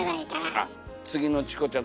次のチコちゃん